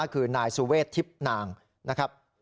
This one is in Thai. คือนายสุเวททิพย์นางนะครับ